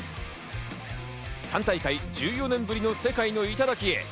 ３大会１４年ぶりの世界の頂へ。